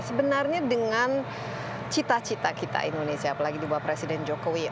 sebenarnya dengan cita cita kita indonesia apalagi juga presiden jokowi